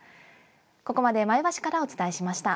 ここまで前橋からお伝えしました。